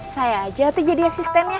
saya aja tuh jadi asistennya